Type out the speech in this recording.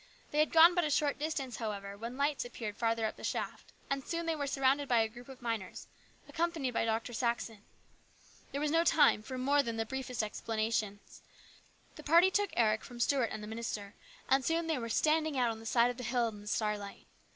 They had gone but a short distance, however, when lights appeared farther up the shaft, and soon they were surrounded by a group of miners, accompanied by Dr. Saxon. There was no time for more than the briefest 74 HIS BROTHER'S KEEPER. explanations. The party took Eric from Stuart and the minister, and soon they were standing out on the side of the hill in the starlight.